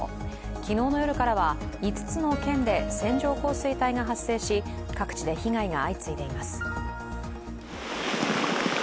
昨日の夜からは５つの県で線状降水帯が発生し各地で被害が相次いでいます。